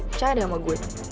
percaya deh sama gue